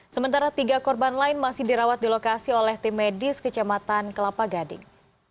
sementara tiga korban lain masih dirawat di lokasi oleh tim medis kecamatan kelapa gading